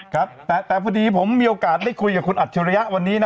ครับแต่พอดีผมมีโอกาสได้คุยกับคุณอัจฉริยะวันนี้นะ